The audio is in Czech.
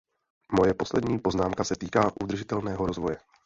Moje poslední poznámka se týká udržitelného rozvoje.